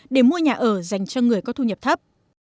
để mua nhà ở dành cho người có thu nhập thấp